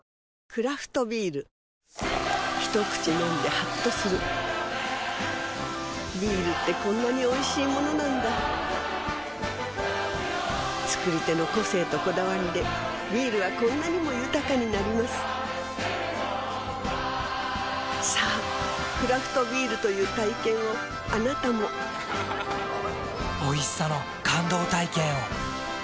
クラフトビール一口飲んでハッとするビールってこんなにおいしいものなんだ造り手の個性とこだわりでビールはこんなにも豊かになりますさぁクラフトビールという体験をあなたもおいしさの感動体験を。